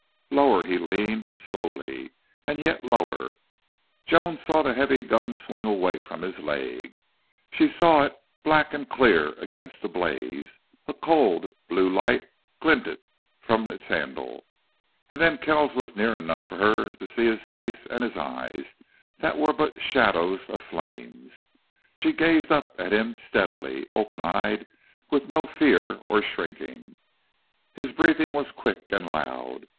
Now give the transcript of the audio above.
Lower he leaned slowly and yet lower. Joan saw the heavy gun swing away from his leg; she saw it black and clear against the blaze; a cold, blue light glinted from its handle. And then Kells was near enough for her to see his face and his eyes that were but shadows of flames. She gazed up at him steadily, open eyed, with no fear or shrinking. His breathing was quick and loud.